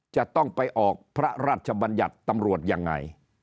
จะต้องไปออกพระราชบัญญัติตำรวจยังไง